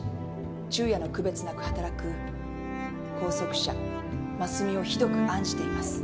昼夜の区別なく働く拘束者真純をひどく案じています。